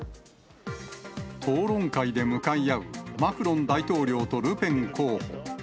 討論会で向かい合うマクロン大統領とルペン候補。